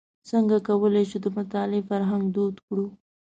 څنګه کولای شو د مطالعې فرهنګ دود کړو.